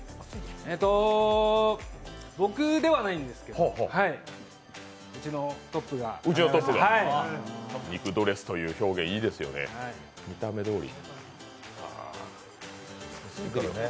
えーと僕ではないんですけど、肉ドレスという表現いいですよね、見た目どおり。